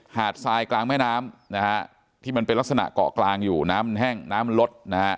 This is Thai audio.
หาดทรายกลางแม่น้ำที่มันเป็นลักษณะเกาะกลางอยู่น้ำแห้งน้ำลด